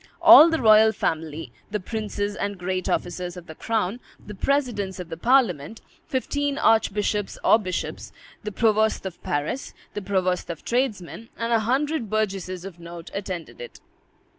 All the royal family, the princes and great officers of the crown, the presidents of the parliament, fifteen archbishops or bishops, the provost of Paris, the provost of tradesmen, and a hundred burgesses of note attended it.